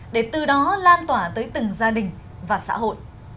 để từ đó lan tỏa tới từng gia đình và xã hội